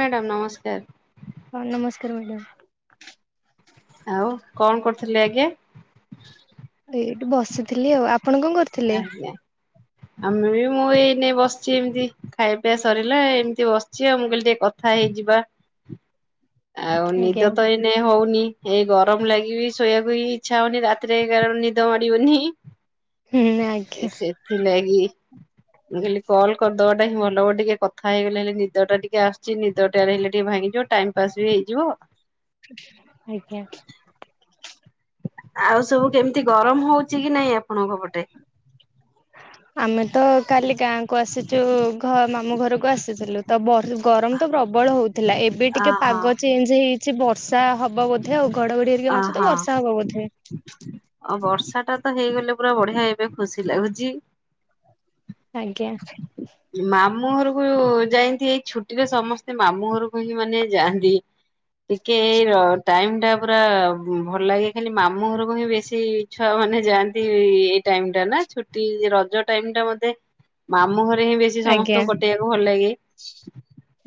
Madam ନମସ୍କାର। ହଁ ନମସ୍କାର ମ୍ୟାଡ଼ାମ। ଆଉ କଣ କରୁଥିଲେ ଆଜ୍ଞା? ଏ ଏଇଠୀ ବସିଥିଲି ଆଉ। ଆପଣ କଣ କରୁ ଆଜ୍ଞା ଆମର ବି ମୁ ଏଇନେ ବସିଛି ଏମତି। ଖାଇବା ପିବା ସରିଲା। ଏମିତି ବସିଛି ଆଉ ମୁଁ କହିଲି ଟିକେ କଥା ହେଇଯିବା। ଆଉ ଆଜ୍ଞା। ନିଦ ତ ଏଇ ନେ ହଉନି। ଏଇ ଗରମ ଲାଗି ବିି ଶୋଇବାକୁ ବି ଇଚ୍ଛା ହଉନି। ରାତିରେ କାରଣ ନିଦ ମାଡ଼ିବନି। ହୁଁ ଆଜ୍ଞା। କି ଲାଗି ମୁଁ କହିଲି କଲ୍ କରିଦବାଟା ହିଁ ଭଲ ହବ। ଟିକେ କଥା ହେଇଗଲେ ହେଲେ ନିଦ ଟା ଟିକେ ଆସିଛି। ନିଦଟା ହେଲେ ଟିକେ ଭାଙ୍ଗିିଯିବ ଟାଇମ୍ ପାସ୍ ବି ହେଇଯିବ। ଆଜ୍ଞା ଆଉ ସବୁ କେମିତି ଗରମ ହଉଛି କି ନାଇଁ ଆପଣଙ୍କ ପଟେ? ଆମେ ତ କାଲି ଗାଁ କୁ ଆସିଛୁ। ଘ ମାମୁଁ ଘରକୁ ଆସିଥିଲୁ। ତ ଗରମ ତ ପ୍ରବଳ ହଉ ଥିଲା, ଏବେ ଟିକେ ଅହୋ ପାଗ ଚେଞ୍ଜ ହେଇଛି। ବର୍ତ ବର୍ଷା ହବ ବୋଧେ ଆଉ ଘଡ଼ଘଡ଼ି ହେରିକା ମାରୁଛି ତ ଅହୋ ବର୍ଷା ହବ ବୋଧେ। ଆଉ ବର୍ଷା ଟା ତ ହେଇଗଲେ ପୁରା ବଢ଼ିଆ ଏବେ ଖୁସୀ ଲାଗୁଛି। ଆଜ୍ଞା ମାମୁଁ ଘରକୁ ଯାଇନ୍ତି ଏଇ ଛୁଟିରେ ସମସ୍ତେ ମାମୁଁଘରକୁ ହିଁ ମାନେ ଯାଆନ୍ତି। ଟିକେ ଏଇ ଟାଇମ ଟା ପୁରା ଭଲ ଲାଗେ। ଖାଲି ମାମୁଁ ଘରକୁ ହିଁ ବେଶୀ ଛୁଆ ମାନେ ଯାଆନ୍ତି ଏଇ ଟାଇମ୍ ଟା ଛୁଟି ରଜ ଟାଇମ୍ ଟା ମତେ ମାମୁଁ ହିଁ ବେଶୀ ଆଜ୍ଞା ସମସ୍ତଙ୍କୁ କଟେଇବାକୁ ଭଲ ଲାଗେ।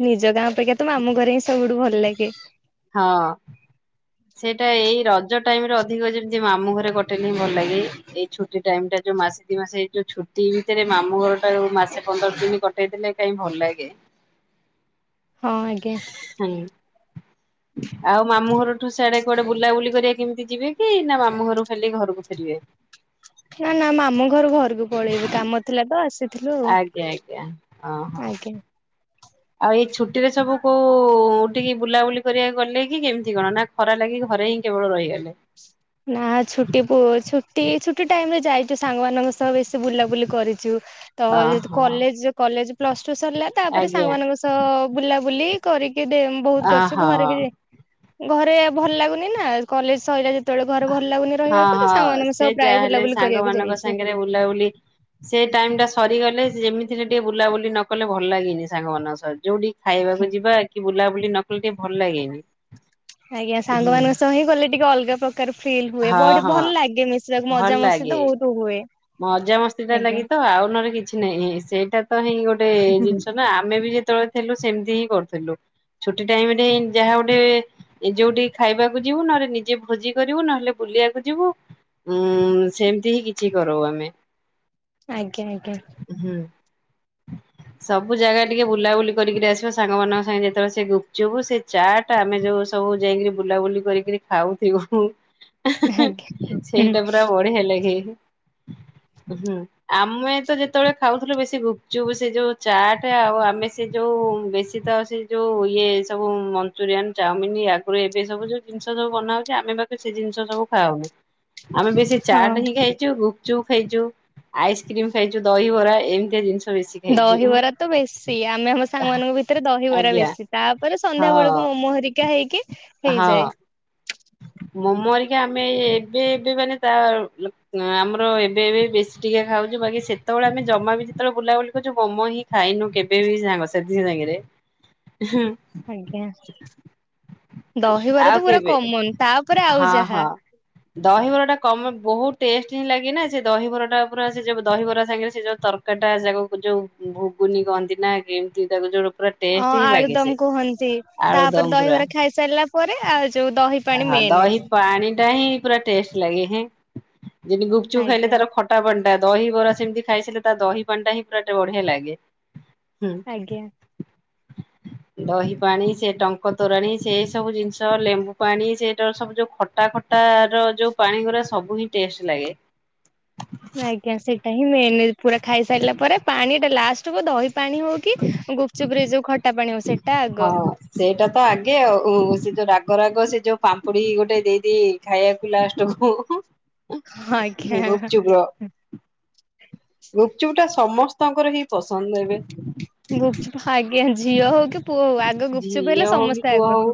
ନିଜ ଗାଁ ଅପେକ୍ଷା ତ ମାମୁଁଘରେ ହିଁ ସବୁଠୁ ଭଲଲାଗେ। ହଁ ସେଇଟା ଏଇ ରଜ ଟାଇମ ରେ ଅଧିକ ଯେମିତି ମାମୁଁ ଘରେ କଟେଇଲେ ହିଁ ଭଲ ଲାଗେ। ଏଇ ଛୁଟି ଟାଇମ ଟା ଯୋଉ ମାସେ ଦି ମାସେ ଏଇ ଯୋଉ ଛୁଟି ଭିତରେ ମାମୁଁ ଘର ଟା ଯୋଉ ମାସେ ପନ୍ଦର ଦିନ କଟେଇ ଦେଲେ କାଇଁ ଭଲ ଲାଗେ। ହଁ ଆଜ୍ଞା। ଆଉ ମାମୁଁଘର ଠୁ ସେୟାଡେ କୁଆଡ଼େ ବୁଲାବୁଲି କରିବା କେମିତି ଯିବେ କି? ନା ମାମୁଁ ଘରୁ ଖାଲି ଘରକୁ ଫେରିବେ। ନା ନା ମାମୁଁ ଘରୁ ଘରକୁ ପଳେଇବୁ। କାମ ଥିଲା ତ ଆସିଥିଲୁ। ହଁ ହଁ ଆଜ୍ଞା। ଆଉ ଏଇ ଛୁଟି ରେ ସବୁ କୋଉ ଠିକି ବୁଲାବୁଲି କରିବାକୁ ଗଲେ କି କେମିତି କଣ ନା ଖରା ଲାଗି ଘରେ ହିଁ କେବଳ ରହିଗଲେ। ନା ଛୁଟି ପୁ ଛୁଟି ଛୁଟି ଟାଇମରେ ଯାଇଛୁ। ସାଙ୍ଗମାନାନଙ୍କ ସହ ବେଶୀ ବୁଲାବୁଲି କରିଛୁ। ତ ଯେହେତୁ ଓହୋ କଲେଜ କଲେଜ ପ୍ଲସ ଟୁ ସରିଲା ତାପରେ ସାଙ୍ଗ ଆଜ୍ଞା ମାନଙ୍କ ସହ ବୁଲାବୁଲି କରିକି ଦେ ବହୁତ କରିଛୁ ଘରେ ଓହୋ। କେ ଘରେ ଭଲଲାଗୁନି ନା କଲେଜ ସଇଲା ଯେ ସେତେବେଳେ ଘର ଭଲଲାଗୁନି ହଁ ରହିବାକୁ ତ ହଁ ସାଙ୍ଗମାନଙ୍କ ସହ ପ୍ରାଏ ବୁଲାବୁଲି କରିବାକୁ ଯାଇଛି। ବୁଲା ବୁଲି ସେ ଟାଇମ ଟା ସରିଗଲେ ଯେମିତିରେ ଟିକେ ବୁଲାବୁଲି ନ କଲେ ଭଲ ଲାଗିନି ସାଙ୍ଗମାନଙ୍କ ସହ। ଯୋଉଠି ଖାଇବାକୁ ଯିବା କି ବୁଲାବୁଲି ନ କଲେ ଟିକେ ଭଲ ଲାଗେନି। ଆଜ୍ଞା ସାଙ୍ଗ ହୁଁ ମାନଙ୍କ ସହ ହିଁ ଗଲେ ଟିକେ ଅଲଗା ପ ଫିଲ୍ ହୁଏ, ହଁ ବଡ଼ି ହଁ ଭଲଲାଗେ ନିଶ୍ଚିତ ଭଲ ମଜା ମସ୍ତି ଲାଗେ ତ ବହୁତ ହୁଏ। ମଜାମସ୍ତି ଟା ଆଜ୍ଞା ଲାଗି ତୋ ଆଉ ନହଲେ କିଛି ନାହିଁ। ଏ ଇ ସେଇଟା ତ ହେଇ ଗୋଟେ ଜିନିଷ ନା। ଆମେ ବି ଯେତେବେଳେ ଥିଲୁ ସେମିତି ହିଁ କରୁଥିଲୁ। ଛୁଟି ଟାଇମରେ ଯାହା ଗୋଟେ ଏ ଯୋଉଠି ଖାଇବାକୁ ଯିବୁ ନହେଲେ ନିଜେ ଭୋଜି କରିବୁ ନହେଲେ ବୁଲିବାକୁ ଯିବୁ। ଉଁ ସେମିତି ହିଁ କିଛି କରଉ ଆମେ। ଆଜ୍ଞା, ଆଜ୍ଞା। ହୁଁ। [unintelligible] ସବୁ ଜାଗା ଟିକେ ବୁଲାବୁଲି କରିକିରି ଆସିବା ସାଙ୍ଗମାନଙ୍କ ସାଙ୍ଗେ ଯେତେବେଳେ ସେ ଗୁପଚୁପ ସେ। ଚାଟ୍ ଆମେ ଯୋଉ ସବୁ ଯାଇକିରି ବୁଲାବୁଲି କରିକିରି ଖାଉଥିବୁ। ଏ ହେଁ ଆଜ୍ଞା ହେଁ ହୁଁ ସେଇଟା ପୁରା ବଢିଆ ଲାଗେ ହୁଁ। ଆମେ ତ ଯେତେବେଳେ ଖାଉଥିଲୁ ବେଶୀ ଗୁପଚୁପ ସେ ଯୋଉ ଚାଟ ଆଉ ଆମେ ସେ ଯୋଉ ବେଶୀ ତ ସେ। ଯୋଉ ଇଏ ସବୁ ମଞ୍ଚୁରିଆନ, ଚାଉମିନ ଆଗୁରୁ ଏବେ ସବୁ ଯୋଉ ଜିନିଷ ସବୁ ବନା ହଉଛି ଆମେ ବା। କିଛି ସେ ଜିନିଷ ସବୁ ଖାଉନୁ ଆମେ ବେଶୀ ହଁ। ଚାଟ ହିଁ ଖାଇ। ଯୋଉ ଗୁପଚୁପ, ଖାଇଛୁ ଆଇସ୍କ୍ରିମ ଖାଇଛୁ ଦହିିବରା ଏମିତିଆ ଜିନିଷ। ବେଶୀ ଖାଇଛୁ ଦହିବରା ତ ବେଶୀ ଆମେ ଆମ ସାଙ୍ଗ ମାନଙ୍କ ଭିତରେ ଦହିବରା ଆଜ୍ଞା ବେଶୀ ତାପରେ ହଁ ସନ୍ଧ୍ୟା ବେଳୁକୁ ମମୋ ହେରିକା। ହେକା ହେଇକି ହେଇଯାଏ। ମୋମ ହେରିକା ଆମେ ଏବେ ଏବେ ମାନେ ତା ଆମର ଏବେ ଏବେ ବେଶୀ। ଟିକେ ଖାଉଛୁ ବାକି ସେତେବେଳେ ଆମେ ଜମା ବି ଯେତବେଳେ ବୁଲାବୁଲି କରୁଛୁ ମୋମୋ ହିଁ ଖାଇନୁ କେବେ ବିି ସାଙ୍ଗ ସାଥି। ତା ଝିଅ ସାଙ୍ଗରେ ହୁଁ। ଆଜ୍ଞା ଦହିବାର ଆଉ ତ ପୁରା କେବେ କମନ। ତାପରେ ଆଉ ହଁ, ଯାହା ହଁ। ଦହିବରାଟା କମ ବହୁତୁ ଟେଷ୍ଟ ହିଁ ଲାଗେ ନା ସେ ଦହିବରାଟା ପୁରା ସେ ଯୋଉ ଦହିବରା ସାଙ୍ଗରେ ସେ ଯୋଉ ତର। ହେଟା ଯାକୁ ଯୋଉ ଘୁଗୁନି କହନ୍ତି ନା କେମିତି ତାକୁ ଯୋଉଟା ପୁରା। ଅଁ ଟେଷ୍ଟ ହିଁ ଲାଗେ ସେ ଆଳୁଦମ କୁହନ୍ତି ତାପରେ ଆଳୁଦମ୍ ଦହିବରା ଖାଇସାରିଲା ପରେ ଆଉ ଯୋଉ ଦହି ପାଣି ହ ମେନ୍ ଦହି ପାଣି ଟା ହିଁ ପୁରା ଟେଷ୍ଟେ ଲାଗେଁ ହେଁ ଯେମିତି ଗୁପଚୁପ୍ ଖାଇଲେ ଆଜ୍ଞା ତାର ଖଟ। ଖଟା ପାଣି ଟା ଦହି ବରା ସେମିତି ଖାଇସାରିଲେ ତା ଦହିପାଣିଟା ହି ପୁରା ବଢିଆ ଲାଗେ। ହୁଁ। ଆଜ୍ଞା ଦହି ପାଣି ସେ ଟଙ୍କ ତୋରାଣି ସେ ସବୁ ଜିନିଷ ଲେମ୍ବୁ। ପାଣି ସେଇଟା ସବୁ ଯୋଉ ଖଟା, ଖଟା ର ଯୋଉ ପାଣି ଗୁରା ସବୁ ହିଁ ଟେଷ୍ଟ ଲାଗେ। ଆଜ୍ଞା ସେଇଟା ହିଁ ମେନ ପୁରା ଖାଇସାରିଲା ପରେ ପାଣି ଟା ଲାଷ୍ଟକୁ ଦହି। ପାଣି ହଉ କି ଗୁପଚୁପ ରେ ଯଉ ଖଟା ପାଣି ହଉ ସେଇ। ହଁ। ସେଇଟା ତ ଆଗେ ଆଉ ସେ ଯୋଉ ରାଗ, ରାଗ ସେ ଯୋଉ ପାମ୍ପୁଡି ଗୋଟେ ଦେଇଦିଏ ଖାଇବାକୁ ଲାଷ୍ଟ କୁ। [unintelligible] ଆଜ୍ଞା ଗୁପ୍ ଚୁପ୍ ର। ଗୁପଚୁପ ଟା ସମସ୍ତଙ୍କର ହିଁ ପସନ୍ଦ ଏବେ। ଗୁପ୍ ଚୁପ୍ ଆଜ୍ଞା ଝିଅ ହଉ କି ପୁଅ ହଉ ଆଗ ଗୁପ୍ ଚୁପ୍ ଝିଅ ହେଲେ ହଉ କି ସମସ୍ତେ ପୁଅ ଆଗ। ହଉ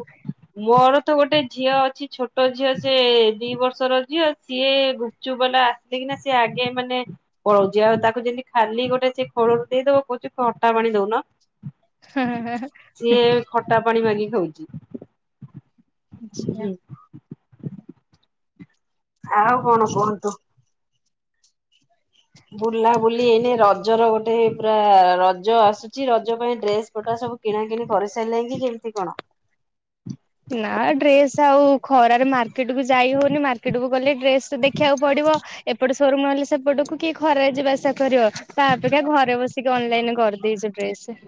ମୋର ତ ଗୋଟେ ଝିଅ ଅଛି ଛୋଟ ଝିଅ ସେ ଦି ବର୍ଷର ଝିଅ ସିଏ ଗୁପ। ଗୁପ୍ ଚୁପ୍ ବାଲା ଆସିକିନା ସିଏ ଆଗେ ମାନେ। ପଳଉଛି ଆଉ ତାକୁ ଯେମିତି ଖାଲି ଗୋଟେ ସେ ଖୋଳରୁ ଦେଇଦବ କହୁଛି ଖଟା ପାଣି ଦଉନ। [unintelligible] ସିଏ ଖଟା ପାଣି ମାଗି ଖାଉଛି। ଆଚ୍ଛା। ହୁଁ ଆଉ କ'ଣ କୁହନ୍ତୁ। ବୁଲା ବୁଲି ଏଇନେ ରଜର ଗୋଟେ ପୁରା ରଜ ଆସୁଛି ରଜ ପାଇଁ ଡ୍ରେସ ପଟା ସବୁ। କିଣାକିଣି କରିସାଇଲେକି କି କେମିତି କ'ଣ। ନା ଡ୍ରେସ ଆଉ ଖରାରେ ମାର୍କେଟ କୁ ଯାଇ ହଉନି ମାର୍କେଟ କୁ ଗଲେ ଡ୍ରେସ ଦେଖିବାକୁ ପଡିବ। ଏପଟୁ ସୋରୁମ ହେଲେ ସେପଟକୁ କିଏ ଖରା ଯିବା ଆସିବା କରିବ? ତା ଅପେକ୍ଷା ଘରେ ବସିକି ଅନଲାଇନରେ କରିଦେଇଛି ଡ୍ରେସେ।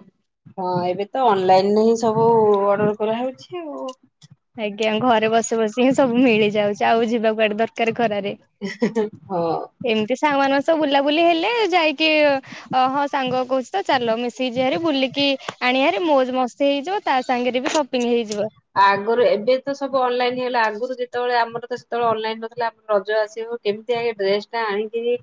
ହଁ ଏବେ ତ ଅନଲାଇନରେ ହିଁ ସବୁ ଅର୍ଡର କରାହେଉଛି ଆଉ। ଆଜ୍ଞା ଘରେ ବସି ବସି ହିଁ ସବୁ ମିଳିଯାଉଛି ଆଉ ଯିବାକୁଆଡେ ଦର କାର ଖରାରେ ହଁ। ଏମିତି ସାଙ୍ଗ ମାନଙ୍କ ସହ ବୁଲାବୁଲି ହେଲେ ଯାଇକି ହଁ ସାଙ୍ଗ କହୁଛି। ତ ଚାଲ ମିଶିକି ଜିହାରି ବୁଲିକି ଆଣିବା ମୋଜ ମସ୍ତି ହେଇଯିବ ତା ସାଙ୍ଗରେ ବି ସପିଙ୍ଗ ହେଇଯିବ। ଆଗରୁ ଏବେ ତ ସବୁ ଅନଲାଇନ ହେଲା ଆଗରୁ ଯେତେବେଳେ ଆମର ତ ସେତେବେଳେ ଅନଲାଇନ ନଥିଲା ଆମର ରଜ ଆସିବ କେମିତି ଏ ଡ୍ରେସ ଟା ଆଣିିକି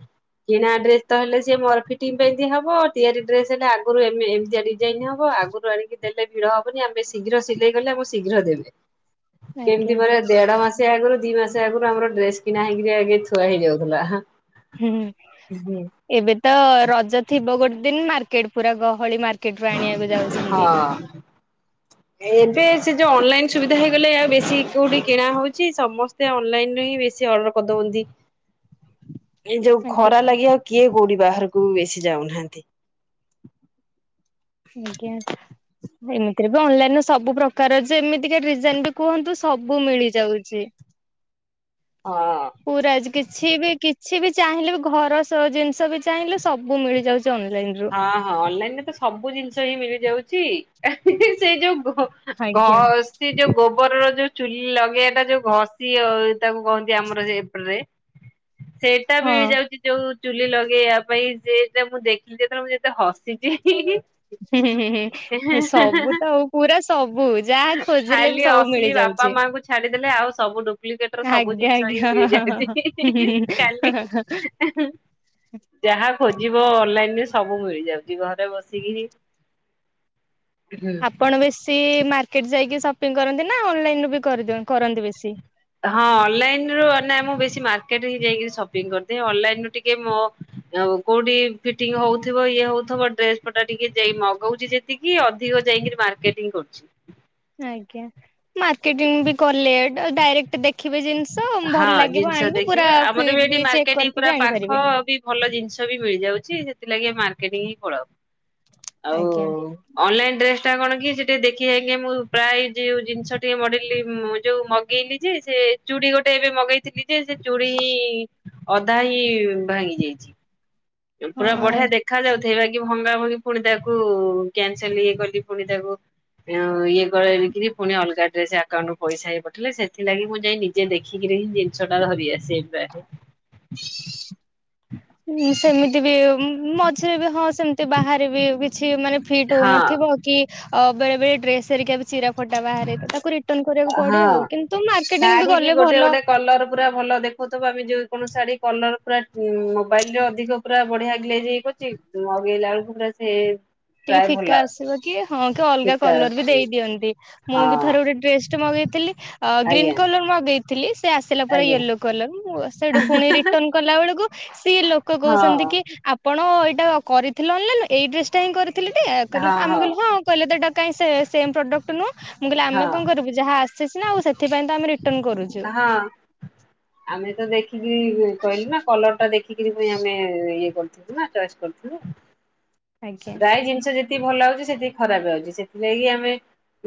କିଣା ଡ୍ରେସ ତ ହେଲେ ସିଏ ମୋର ଫିଟିଙ୍ଗ ପାଇଁ ହବ ତିଆରି ଡ୍ରେସ ହେଲେ ଆଗରୁ ଏମି ଏମିତିଆ ଡିଜାଇନ ହବ ଆଗରୁ ଆଣିକି ଦେଲେ ଭିଡ ହବନି ଆମେ ଶୀଘ୍ର ସିଲେଇ କଲେ ଆମ ଶୀଘ୍ର ଦେବେ ଆଜ୍ଞା କେମିତି ପରେ ଦେଢ ମାସେ ଆଗରୁ ଦି ମାସ ଆଗରୁ ଆମର ଡ୍ରେସ କିଣା ହେଇକି ଆଗେ ଥୁଆ ହେଇଯାଉଥିଲା। ହୁଁ ଏବେ ତ ରଜ ଥିବ ଗୋଟେ ଦିନ ମାର୍କେଟ ପୁରା ଗହଳି ମା କେଟ୍ ଆଣିବାକୁ ଯାଉସନ୍ତି ହଁ। ଏବେ ସେ ଯୋଉ ଅନଲାଇନ ସୁବିଧା ହେଇଗଲେ ଆଉ ବେଶୀ କୋଉଠି କିଣା ହଉଛି ସମ ସେ ଅନଲାଇନ ରେ ହିଁ ବେଶୀ ଅର୍ଡର କରିଦଉନ୍ତି। ଏ ଯୋଉ ଆଜ୍ଞା ଖରା ଲାଗେ ଆଉ କିଏ କୋଉଠି ବାହାରକୁ ବେଶି ଯାଉନାହାନ୍ତି। ଆଜ୍ଞା। ଏମିତିରେ ବି ଅନଲାଇନ ସବୁ ପ୍ରକାର ଯେ ଏମିତିକା ଡିଜାଇନ ବି କୁହନ୍ତୁ ସବୁ ମିଳିଯାଉଛି। [inaudible] ହଁ। ପୁରା କିଛି ବି କିଛି ବି ଚାହିଁଲେ ବି ଘର ସହ ଜିନିଷ ବି ଚାହିଁଲେ ସବୁ ମିଳିଯାଉଛି ଅନଲାଇନ। ରୁ। ହଁ ହଁ ଅନଲାଇନ ରେ ତ ସବୁ ଜିନିଷ ହିଁ ମିଳିଯାଉଛି ସେଇ ଯୋଉ ଆଜ୍ଞା। ଘସ୍ ସେ ଯୋଉ ଗୋବରର ଯୋଉ ଚୁଲି ଲଗେଇବାଟା ଯୋଉ ଘଷି ତାକୁ କହନ୍ତି ଆମର ସେପରେ ସେଟା ହଁ ମିଳିଯାଉଛି ଯୋଉ ଚୁଲି ଲଗେଇବା ପାଇଁ ସେଟା ମୁଁ ଦେ ଯେତେବେଳେ ମୁଁ ଯେତେ ହସିଛି ହିଁ ହିଁ। ହୁଁ ହୁଁ ହୁଁ ସବୁ ତ ଆଉ ପୁରା ସବୁ ଯାହା ଖୋଜିଲେ ବି ଖାଲି ସବୁ ଅସଲି ବାପା ମିଳିଯାଉଛି। ମାଙ୍କୁ ଛାଡିଦେଲେ ଆଉ ସବୁ ଡୁପ୍ଲିକେଟ ର ସବୁ ଆଜ୍ଞା ଜିନିଷ ହିଁ ଆଜ୍ଞା ହଁ ହେଇଯାଉଛି ହଁ ହଁ କାଲି ହଁ। ଯାହା ଖୋଜିବ ଅନଲାଇନ୍ ସବୁ ମିଳିଯାଉଛି ଘରେ ବସିକିରି ହୁଁ। ଆପଣ ବେଶୀ ମାର୍କେଟ ଯାଇକି ସପିଙ୍ଗ କରନ୍ତି ନା ଅନଲାଇନୁ ବିି କରିଦିଅନ୍ତି କରନ୍ତି ବେଶୀ? ହଁ ଅନଲାଇନ ରୁ ନା ମୁଁ ବେଶୀ ମାର୍କେଟ ହିଁ ଯାଇକି ସପିଂ କରିଦିଏ ଅନଲାଇନ ରୁ ଟିକେ ମ ଆଉ କୋଉଠି ଫିଟିଙ୍ଗ ହଉଥିବ ଇଏ ହଉଥିବ ଡ୍ରେସ ପଟା ଟିକେ ଯେଇ ମଗଉଛି ଯେ ଟିକି ଅଧିକ ଯାଇକିରି ମାର୍କେଟିଂ କରୁଛି। ଆଜ୍ଞା ମାର୍କେଟିଂ ବି କଲେ ଡାଇରେକ୍ଟ ଦେଖିବେ ଜିନିଷ ଭଲ ହଁ ଲାଗିବ ଜିନିଷ ଆଣିବେ ପୁରା ଦେଖିବେ ଆମର ବି ଫିଟ୍ ଏଠି ଚେକ୍ ମାର୍କେଟ କରିକି ବି ପୁରା ଆଣିପାରିବେ ପାଖବି। ଭଲ ଜିନିଷ ବି ମିଳିଯାଉଛି ସେଥିଲାଗି ମାର୍କେଟିଂ ହିଁ ପଳାଉ ଆଉ ଆଜ୍ଞା ଅନଲାଇନ ଡ୍ରେସ ଟା କଣ କି ସେ ଟିକେ ଦେଖିବେ କେ ମୁଁ ପ୍ରାୟ ଯୁଉ ଜିନିଷ ଟିକେ ମଡିଲିଙ୍ଗ ମୁ ଯୋଉ ମ୍ ଗେଇଲି ଯେ ସେ ଚୁଡ଼ି ଗୋ ଟେ ଏବେ ମଗେଇଥିଲି ଯେ ସେ ଚୁଡ଼ି ହିଁ ଅଧା ହିଁ ଭାଙ୍ଗି ଯାଇଛି। ପୁରା ବଢିଆ ହଁ ଦେ ଦେଖ ଯାଉଥେ ବାଗି ଭଙ୍ଗା ଭଙ୍ଗି ପୁଣି ତାକୁ କ୍ୟାନସଲ ଇଏ କଲି ଫୁଣି ତାକୁ ଇଏ କରିକିରି ପୁଣି ଅଲଗା ଡେସେ ଆକାଉଣ୍ଟରୁ ପଇସା ଇଏ ପଠେଇଲେ ସେଥିଲାଗି ମୁଁ ଯେଇନି ସେ ଦେଖିକିରି ହିଁ ଜିନିଷ ଟା ଧରି ଆସେ ପ୍ରାୟ ହେ। [unintelligible] ସେମିତି ବି, ମଝିରେ ବି ହଁ ସେମିତି ବାହାରେବି ବି କିଛି ମାନେ ଫିଟ୍ ହଁ ହଉନଥିବ, କି ବେଳେ ବେଳେ ଡ୍ରେସ୍ ହେରିକା ବି ଚିରା ଫଟା ବାହାରେ, ତ ତାକୁ ରିଟର୍ଣ୍ଣ କରିବାକୁ ପଡେ ହଁ। ଆଉ କିନ୍ତୁ ମାର୍କେଟିଂ ବି ଶାଢୀ ଗଲେ ଗୋଟେ ଭଲ। ଗୋଟେ କଲର ପୁରା ଭଲ ଦେଖୁଥିବା ବି ଆମେ ଯଉ କୌଣ ଶାଢୀ କଲର୍ ପୁରା ମୋବାଇଲ୍ ରେ ଅଧିକ ପୁରା ବଢିଆ ଗ୍ଲେଜ୍ ହେଇକି ଅଛି ମଗେଇଲା ବେଳଳୁ ପୁରା ସେ ଟିକେ ପ୍ରାୟ ଭଲ ଫିକା ଆସୁ ଆସିବ କି ହଁ, କି ଅଲଗା ଠିକ କଲର୍ ବି ଆସୁଛି ଦେଇ ଦିଅନ୍ତି। ମୁଁ ବି ହଁ ଥରେ ଗୋଟେ ଡେସ୍ ଟେ ମଗେଇଥିଲି, ଅ ଗ୍ରୀନ୍ ଆଜ୍ଞା କଲର ମଗେଇ ଥିଲି, ସେ ଆସିଲା ପୁରା ଆଜ୍ଞା ୟେଲୋ କଲର୍, [unintelligible] ସେଠୁ ଫୁଣି ରିଟର୍ଣ୍ଣ କଲା ବେଳକୁ ସିଏ ଲୋ ଲୋକ କହୁଚନ୍ତି ହଁ କି, ଆପଣ ଏଇଟା କରିଥିଲେ ଅନଲାଇନ୍ ରୁ, ଏଇ ଡ୍ରେସ୍ ଟା ହିଁ କରି ଥିଲେ ଟି, କହିଲ ଆମେ କହିଲୁ ହଁ କହିଲେ ଏଟା ସେମ୍ ପ୍ରଡକ୍ଟ ନୁହଁ, ମୁଁ କହିଲେ ଆମେ ହଁ କଣ କରିବୁ ଯାହା ଆସିଚି ନା, ଆଉ ସେଥିପାଇଁ ତ ଆମେ ରିଟର୍ଣ୍ଣ୍ କରୁଚୁ। ହଁ, ଆମେ ତ ଦେଖିକି କହିଲୁ ନା, କଲର ଟା ଦେଖି [unintelligible] ଆମେ ଇଏ କରୁଥିଲୁ ନା, ଚଏସ୍ କରୁଥିଲୁ। ଆଜ୍ଞା ପ୍ରାୟ ଜିନିଷ୍ ଯେତିକି ଭଲ ଆଉଚି, ସେତିକି ଖରାପ ଆଉଚି, ସେଥିଲାଗି ଆମେ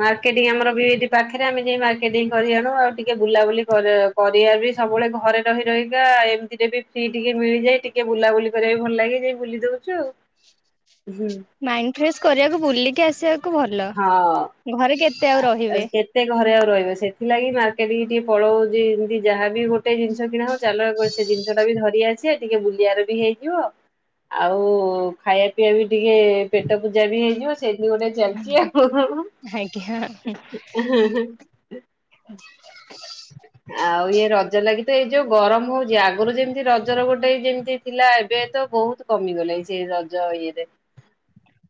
ମାର୍କେଟିଂ ଆମର ବି ପାଖରେ, ଆମେ ଯାଇ ମାର୍କେଟିଂ କରି ଆଣୁ ଆଉ ଟିକେ ବୁଲାବୁଲି କରି ପରିବାର ବି ସବୁବେଳେ ଘରେ ରହି ରହିକା, ଏମିତିରେ ବି ଫ୍ରି ଟିକେ ମିଳିଯାଇ ଟିକେ ବୁଲାବୁଲି କରିବା ପାଇଁ ଭଲ ଲାଗେ, ଯେ ବୁଲି ଦଉଚୁ ଆଉ। ହୁଁ ମାଇଣ୍ଡ୍ ଫ୍ରେଶ୍ କରିବାକୁ, ବୁଲିକି ଆସିବାକୁ ଭଲ। ହଁ ଘରେ କେତେ ଆଉ ରହିବେ? କେତେ ଘରେ ଆଉ ରହିବେ, ସେଥିଲାଗି ମାର୍କେଟ ଟିକେ ପଳଉ, ଯେମିତି ଯାହାବି ଗୋଟେ ଜିନିଷ କିଣା ହଉ ଚାଲ ଗୋ ସେ ଜିନିଷ୍ ଟା ବି ଧରି ଆସିବା, ଟିକେ ବୁଲିବାର ବି ହେଇଯିବ, ଆଉ ଖାଇବା [unintelligible] ବି ଟିକେ ପେଟ ପୂଜା ବି ହେଇଯିବ, ସେଇଠି ଗୋଟେ ଚାଲିଚି ଆଉ ଆଜ୍ଞା [unintelligible] ଆଉ ଇଏ ରଜ ଲାଗି ତ ଏଇ ଯୋଉ ଗରମ ହଉଚି, ଆଗରୁ ଯେମିତି ରଜର ଗୋଟେ ଏଇ ଯେମତି ଥିଲା, ଏବେ ତ ବହୁତ୍ କମିଗଲେ ଏଇ ସେ ରଜ ଇଏରେ।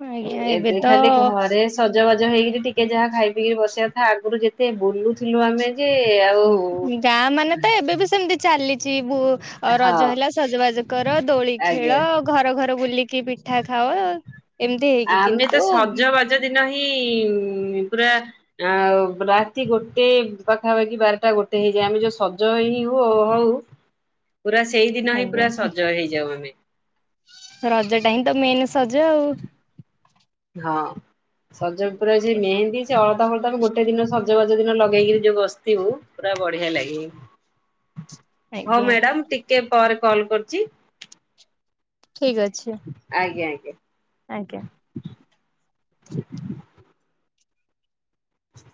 ଆଜ୍ଞା, ଏବେ ତ ଖାଲି ଘରେ ସଜବାଜ ହେଇକିରି ଟିକେ ଯାହା ଖାଇ ପିଇକିରି ବସିବା କଥା, ଆଗୁରୁ ଯେତେ ବୁଲୁଥିଲୁ ଆମେ ଯେ ଆଉ ଗାଁ ମାନେ ତ ଏବେ ବି ସେମତି ଚାଲିଚି, ବୋ ହଁ ରଜ ହେଲା ସଜବାଜ କର, ଦୋଳି ଖେଳ, ଆଜ୍ଞା ଘର ଘର ବୁଲିକି ପିଠା ଖାଅ। ଏମିତି ହେଇକି କିନ୍ତୁ ଏତେ ଦିନ ହିଁ ପୁରା ଆଉ ରାତି ଗୋଟେ ପାଖାପାଖି ବାରଟା ଗୋଟେ ହେଇଯାଏ, ଆମେ ଯଉଁ ସଜ ହିଁ ହ ହଉ [inaudible] ପୁରା ସେଇ ଦିନ ହିଁ ଆଜ୍ଞା ପୁରା ସଜ ହେଇଯାଉ ଆମେ। ରଜଟା ହିଁ ତ ମେନ୍ ସଜ ଆଉ ହଁ, ସଜ ଉପରେ ଅଛି ମେହେନ୍ଦୀ ସେ ଅଳତା ଫଳତାକୁ ଗୋଟେ ଦିନ ସଜ ବାଜ ଦିନ ଲଗେଇକିରି ଯୋଉ ବସିଥିବୁ, ପୁରା ବଢିଆ ଲାଗେ। [unintelligible] ହଁ ମ୍ୟାଡାମ୍, ଟିକେ ପରେ କଲ୍ କରୁଚି। ଠିକ୍ ଅଛି। ଆଜ୍ଞା ଆଜ୍ଞା। ଆଜ୍ଞା। [unintelligible]